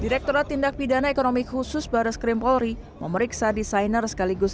direkturat tindak pidana ekonomi khusus baris krim polri memeriksa desainer sekaligus